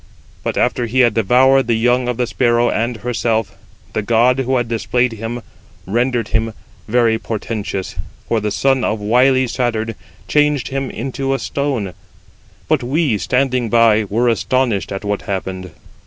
But after he had devoured the young of the sparrow, and herself, the god who had displayed him rendered him very portentous, for the son of wily Saturn changed him into a stone; but we, standing by, were astonished at what happened.